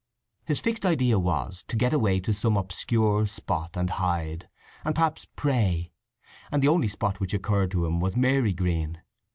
His fixed idea was to get away to some obscure spot and hide, and perhaps pray; and the only spot which occurred to him was Marygreen.